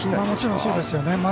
もちろんそうですね。